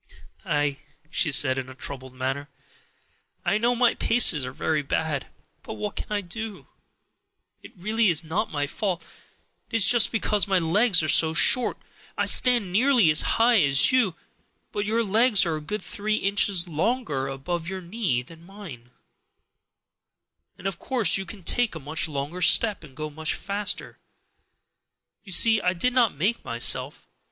"Ah," she said in a troubled manner, "I know my paces are very bad, but what can I do? It really is not my fault; it is just because my legs are so short. I stand nearly as high as you, but your legs are a good three inches longer above your knee than mine, and of course you can take a much longer step and go much faster. You see I did not make myself.